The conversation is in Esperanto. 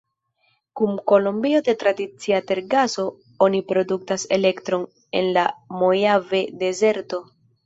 Kun kombino de tradicia tergaso, oni produktas elektron en la Mojave-dezerto.